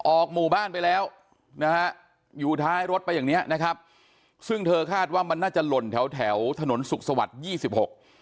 หมู่บ้านไปแล้วนะฮะอยู่ท้ายรถไปอย่างเนี้ยนะครับซึ่งเธอคาดว่ามันน่าจะหล่นแถวแถวถนนสุขสวัสดิ์ยี่สิบหก